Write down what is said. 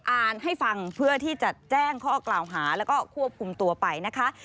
อ่านให้ฟังเพื่อที่จะแจ้งข้อกล่าวหาแล้วก็ควบคุมตัวไปนะคะ